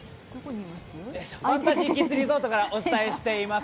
ファンタジーキッズリゾートからお伝えしています。